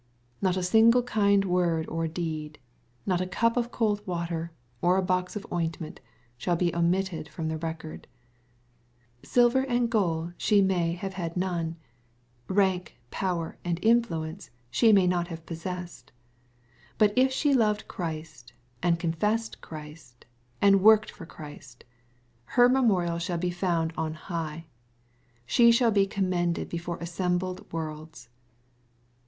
)Not a single kind word or deed, not a cup of cold water, or a box of ointment, shall be omitted from the recordA Silver and gold she may have had none, — ^rank, power, and influence she may not have possessed, — but if she loved Christ, and confessed Christ, and worked for Christ, her memorial shall be found on high. She shall be commended before assembled worlds.